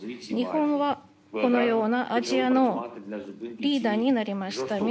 日本はこのようなアジアのリーダーになりました。